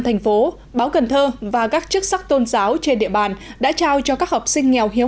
thành phố báo cần thơ và các chức sắc tôn giáo trên địa bàn đã trao cho các học sinh nghèo hiếu